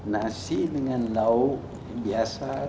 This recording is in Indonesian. nasi dengan lauk biasa